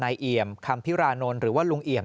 เอี่ยมคำพิรานนท์หรือว่าลุงเอี่ยม